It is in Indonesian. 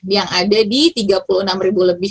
yang ada di tiga puluh enam ribu lebih